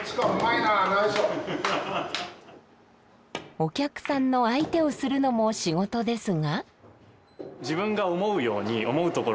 お客さんの相手をするのも仕事ですが。